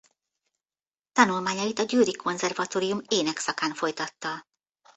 Tanulmányait a győri konzervatórium ének szakán folytatta.